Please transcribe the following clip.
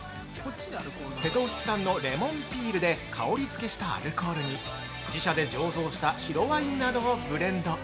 瀬戸内産のレモンピールで香りづけしたアルコールに自社で醸造した白ワインなどをブレンド。